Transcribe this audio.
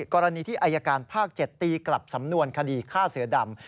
กรณีที่อายการภาค๗ตีกลับสำนวนคดีฆ่าเสือดำ